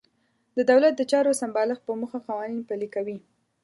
د دولت د چارو سمبالښت په موخه قوانین پلي کوي.